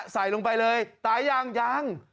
ใส่ลงไปเลยตายยังยัง